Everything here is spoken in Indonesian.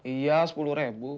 iya sepuluh rebu